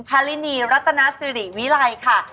ภารินีรัตนสิริวิไรค่ะ